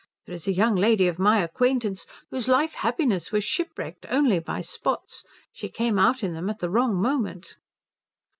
There is a young lady of my acquaintance whose life happiness was shipwrecked only by spots. She came out in them at the wrong moment."